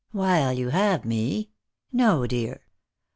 " While you have me, — no, dear.